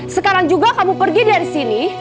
sekarang juga kamu pergi dari sini